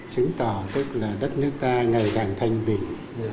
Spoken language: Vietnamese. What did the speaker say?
chứng tỏ tức là đất nước ta ngày càng thanh bình